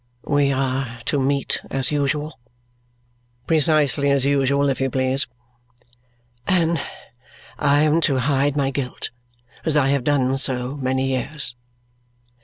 "We are to meet as usual?" "Precisely as usual, if you please." "And I am to hide my guilt, as I have done so many years?"